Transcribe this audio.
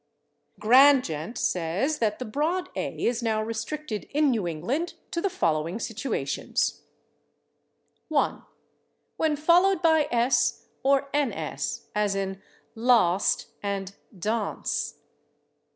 Grandgent says that the broad /a/ is now restricted in New England to the following situations: 1. when followed by /s/ or /ns/, as in /last/ and /dance